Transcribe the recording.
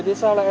thì sao lại em